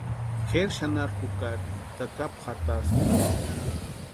Kʼeri xanharu jukari tsakapu jatasti.